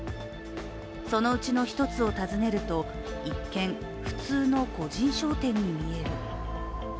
そのうちの１つを訪ねると一見、普通の個人商店に見える。